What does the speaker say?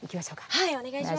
はいお願いします。